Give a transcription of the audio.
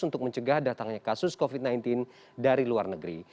untuk mencegah datangnya kasus covid sembilan belas dari luar negeri